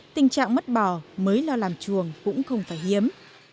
tình trạng mất bò mới lo làm chuồng cũng không phải hiếm